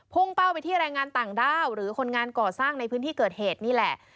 เป้าไปที่แรงงานต่างด้าวหรือคนงานก่อสร้างในพื้นที่เกิดเหตุนี่แหละ